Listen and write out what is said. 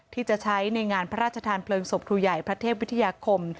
ที่จะใช้ในงานพระราชทานเพลิงศพครูใหญ่พระเทพวิทยาคม